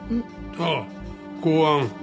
ああ公安？